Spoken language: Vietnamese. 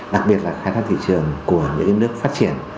đặc biệt là khả năng thị trường của những nước phát triển